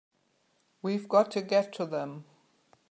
We've got to get to them!